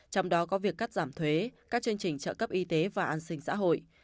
trong đó có việc cắt giảm thuế các chương trình trợ cấp y tế và an sinh xã hội